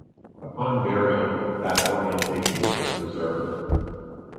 Upon burial, that orientation is preserved.